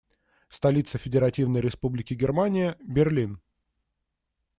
Столица Федеративной Республики Германия - Берлин.